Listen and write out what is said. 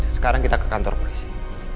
sekarang kita ke kantor polisi